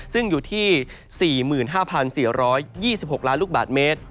ซึ่งอยู่ที่๔๕๔๒๖ล้านลูกบาทเมตร